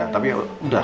tapi ya sudah